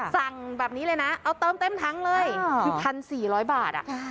สั่งแบบนี้เลยนะเอาเติมเต็มทั้งเลยคือพันสี่ร้อยบาทอ่ะ